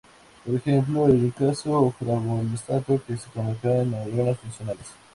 Por ejemplo, en un caso fibroblastos se convirtieron en neuronas funcionales.